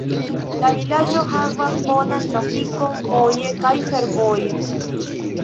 La vilaĝo havas bonan trafikon voje kaj fervoje.